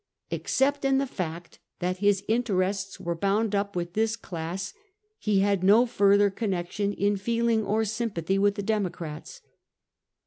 Except in the fact that his interests were bound up with this class, he had no further connection in feeling or sympathy with the Democrats.